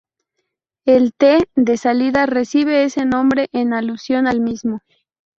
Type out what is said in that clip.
El tee de salida recibe ese nombre en alusión al mismo.